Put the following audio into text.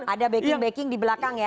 ada backing backing di belakang ya